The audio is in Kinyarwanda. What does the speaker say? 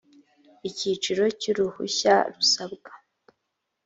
icyiciro cy uruhushya rusabwa